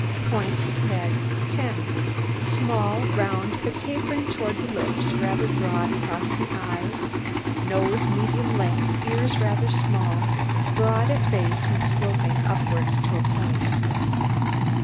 POINTS HEAD 10 Small, round, but tapering towards the lips, rather broad across the eyes, nose medium length, ears rather small, broad at base and sloping upwards to a point.